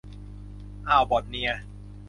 อ่าวบอทเนีย